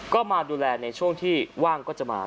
ก็มาดูแลในช่วงที่ว่างก็จะมา